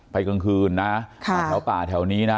กลางคืนนะแถวป่าแถวนี้นะ